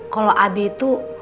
kalau abi tuh